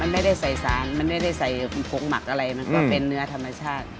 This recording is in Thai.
ไม่ได้ใส่สารมันไม่ได้ใส่ผงหมักอะไรมันก็เป็นเนื้อธรรมชาติ